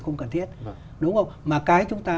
không cần thiết đúng không mà cái chúng ta